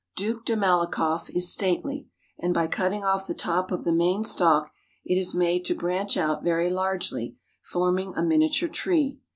Duc de Malakoff is stately, and by cutting off the top of the main stalk, it is made to branch out very largely, forming a miniature tree.